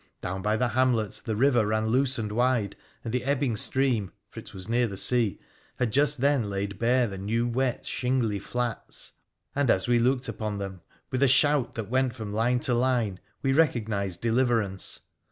Down by the hamlet the river ran loose and wide, and the ebbing stream (for it was near the sea) had just then laid bare the new wet, shingly flats, and as we looked upon them, with a shout that went from line to line, we recognised deliverance.